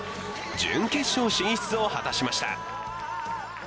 準決勝進出を果たしました。